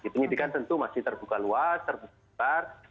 penyidikan tentu masih terbuka luas terbuka